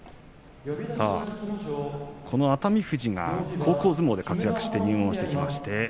この熱海富士は高校相撲で活躍して入門してきました。